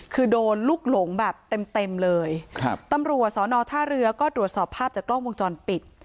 คือโดนลูกหลงแบบเต็มเต็มเลยครับตำรวจสอนอท่าเรือก็ตรวจสอบภาพจากกล้องวงจรปิด